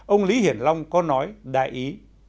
ông lý hiển long có nói đại ý